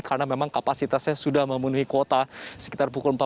karena memang kapasitasnya sudah memenuhi kuota sekitar pukul empat belas tiga puluh